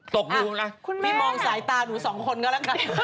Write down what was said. ตกลูงละคุณแม่มีมองสายตาหนูสองคนกันแล้วกัน